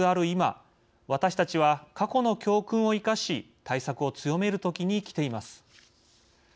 今私たちは過去の教訓を生かし対策を強める時に来ています。